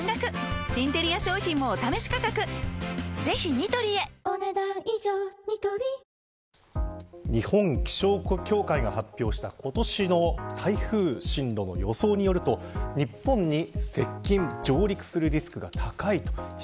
ニトリ日本気象協会が発表した今年の台風進路の予想によると日本に接近上陸するリスクが高いと。